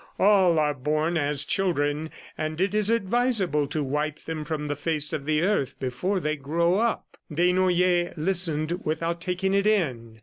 "All are born as children, and it is advisable to wipe them from the face of the earth before they grow up." Desnoyers listened without taking it in.